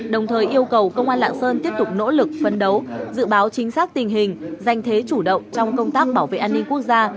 đồng thời yêu cầu công an lạng sơn tiếp tục nỗ lực phân đấu dự báo chính xác tình hình danh thế chủ động trong công tác bảo vệ an ninh quốc gia